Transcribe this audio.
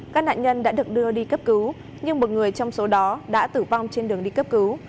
các nạn nhân đã được đưa đi cấp cứu nhưng một người trong số đó đã tử vong trên đường đi cấp cứu